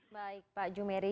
baik pak jumeri